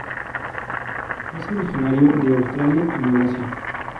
Es originario de Australia y Malasia.